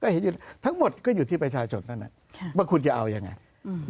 เห็นอยู่ทั้งหมดก็อยู่ที่ประชาชนนั่นอ่ะใช่ว่าคุณจะเอายังไงอืม